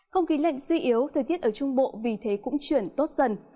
không khí lạnh suy yếu thời tiết ở trung bộ vì thế cũng chuyển tốt dần